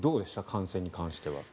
感染に関しては。